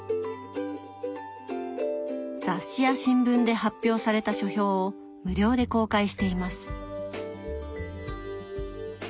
雑誌や新聞で発表された書評を無料で公開しています。